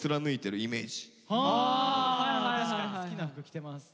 確かに好きな服着てます。